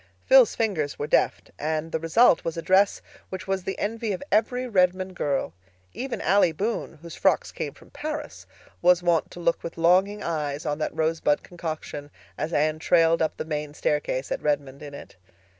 Phil's fingers were deft, and the result was a dress which was the envy of every Redmond girl. Even Allie Boone, whose frocks came from Paris, was wont to look with longing eyes on that rosebud concoction as Anne trailed up the main staircase at Redmond in it.